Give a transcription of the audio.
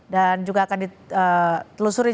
dan juga akan ditelusuri